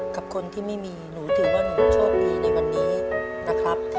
กับคนที่ไม่มีหนูถือว่าหนูโชคดีในวันนี้นะครับ